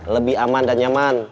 lebih aman dan nyaman